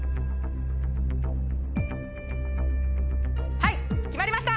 はい決まりました！